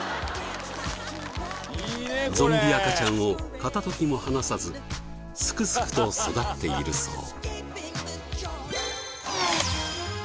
ゾンビ赤ちゃんを片時も離さずすくすくと育っているそう。